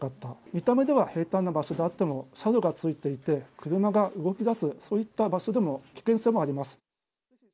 見た目では平たんな場所であっても、斜度がついていて、車が動きだす、そういった場所でも、危険性もあります。